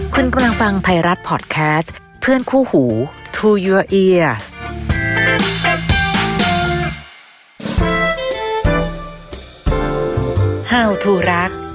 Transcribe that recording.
คุณกำลังฟังไทยรัฐพอร์ตแคสต์เพื่อนคู่หูทูเยัวเอียส